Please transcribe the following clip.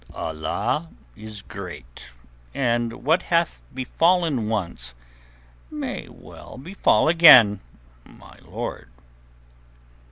"Allah is great, and what hath befallen once may well befall again, my lord."